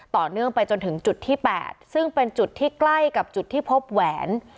ต่อเนื่องไปจนถึงจุดที่๘ซึ่งเป็นจุดที่ใกล้กับจุดที่พบแหวน